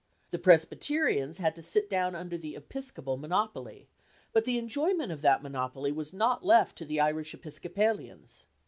The Presbyterians had to sit down under the Episcopal monopoly; but the enjoyment of that monopoly was not left to the Irish Episcopalians.